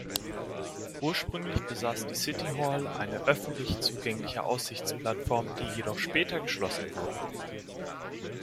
Ursprünglich besaß die City Hall eine öffentlich zugängliche Aussichtsplattform, die jedoch später geschlossen wurde.